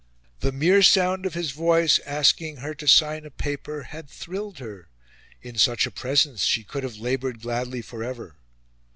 The mere sound of his voice, asking her to sign a paper, had thrilled her; in such a presence she could have laboured gladly for ever.